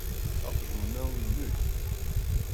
Aqjun-a inek.